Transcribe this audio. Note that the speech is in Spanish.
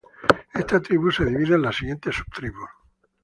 Esta tribu se divide en las siguientes subtribus.